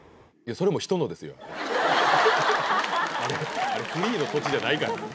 あれフリーの土地じゃないから。